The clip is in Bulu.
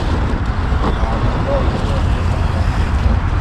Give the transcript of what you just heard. A ke lone benvôé bangan .